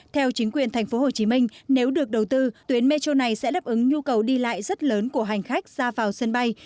theo chính quyền tp hcm nếu được đầu tư tuyến metro này sẽ đáp ứng nhu cầu đi lại rất lớn của hành khách ra vào sân bay